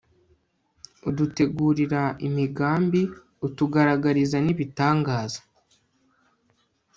udutegurira imigambi, utugaragariza n'ibitangaza